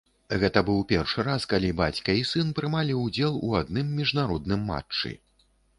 Гэта быў першы раз, калі бацька і сын прымалі ўдзел у адным міжнародным матчы.